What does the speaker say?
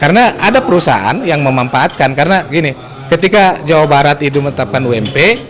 karena ada perusahaan yang memanfaatkan karena ketika jawa barat itu menetapkan ump